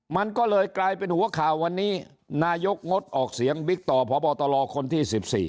มันก็เลยกลายเป็นหัวข่าววันนี้นายกงดออกเสียงบิ๊กต่อพบตรคนที่๑๔